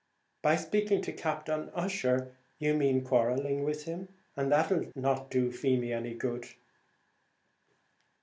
By speaking to Captain Ussher you mean quarrelling with him, and that's not what'll do Feemy any good."